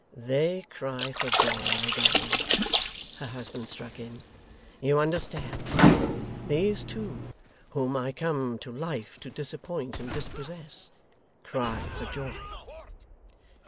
They cry for joy, my darling,' her husband struck in. 'You understand? These two, whom I come to life to disappoint and dispossess, cry for joy!